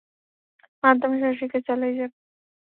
মাধ্যমে স্বশিক্ষা চালিয়ে যান।